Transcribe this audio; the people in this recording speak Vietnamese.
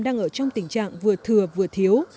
đang ở trong tình trạng vừa thừa vừa thiếu